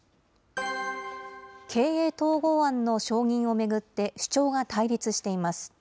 経営統合案の承認を巡って主張が対立しています。